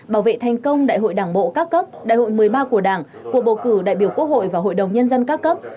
bảo vệ thành công đại hội đảng bộ các cấp đại hội một mươi ba của đảng cuộc bầu cử đại biểu quốc hội và hội đồng nhân dân các cấp